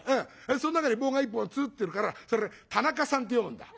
その中に棒が１本つうってあるからそれ田中さんって読むんだ」。